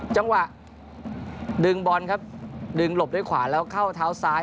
จังหวะดึงบอลครับดึงหลบด้วยขวาแล้วเข้าเท้าซ้าย